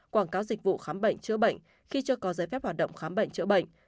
quảng cáo dịch vụ khám bệnh chữa bệnh khi chưa có giấy phép hoạt động khám bệnh chữa bệnh